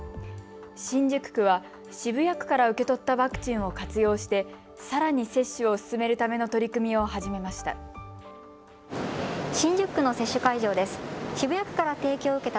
新宿区は渋谷区から受け取ったワクチンを活用して、さらに接種を進めるための取り組みを始めました。